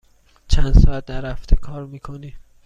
چند ساعت در هفته کار می کنی؟